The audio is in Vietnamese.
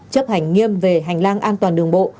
chấp hành nghiêm về hành lang an toàn đường bộ